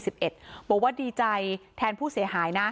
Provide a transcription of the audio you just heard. บอกว่าดีใจแทนผู้เสียหายนะ